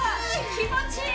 気持ちいい！